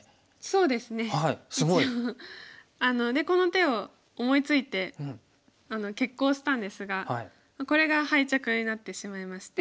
でこの手を思いついて決行したんですがこれが敗着になってしまいまして。